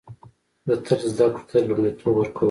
زه تل زده کړو ته لومړیتوب ورکوم